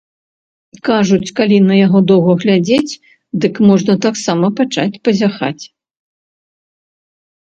Кажуць, калі на яго доўга глядзець, дык можна таксама пачаць пазяхаць.